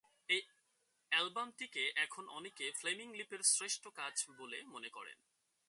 এই অ্যালবামটিকে এখন অনেকে ফ্লেমিং লিপের শ্রেষ্ঠ কাজ বলে মনে করেন।